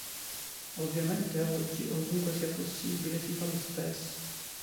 Ovviamente oggi, ovunque sia possibile, si fa lo stesso.